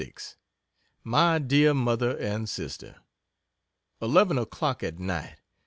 MY DEAR MOTHER AND SISTER, 11 O'clock at night.